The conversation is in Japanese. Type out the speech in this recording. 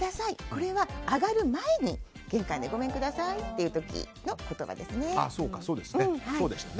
これは上がる前に玄関でごめんくださいと言う時ですね。